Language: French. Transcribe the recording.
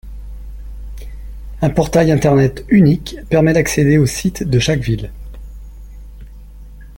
Un portail internet unique permet d’accéder au site de chaque ville.